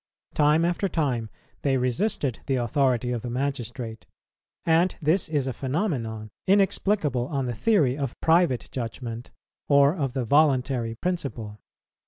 Time after time they resisted the authority of the magistrate; and this is a phenomenon inexplicable on the theory of Private Judgment or of the Voluntary Principle.